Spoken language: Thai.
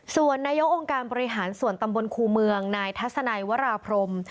ส่วนนายกองค์การบริหารส่วนตำบลครูเมืองนายทัศนัยวราพรม